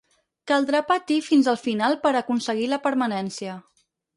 Caldrà patir fins al final per a aconseguir la permanència.